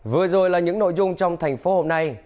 vừa rồi là những nội dung trong thành phố hôm nay